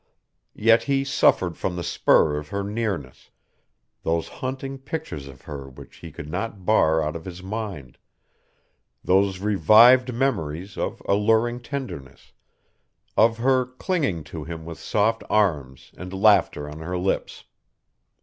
Yet he suffered from the spur of her nearness, those haunting pictures of her which he could not bar out of his mind, those revived memories of alluring tenderness, of her clinging to him with soft arms and laughter on her lips.